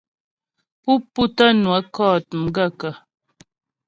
Pú pútə́ nwə kɔ̂t m gaə̂kə́ ?